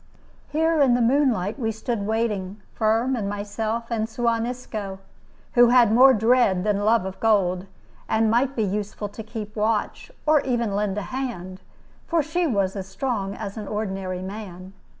Here, in the moonlight, we stood waiting, Firm and myself and Suan Isco, who had more dread than love of gold, and might be useful to keep watch, or even to lend a hand, for she was as strong as an ordinary man.